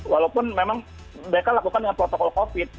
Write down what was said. walaupun memang mereka lakukan dengan protokol covid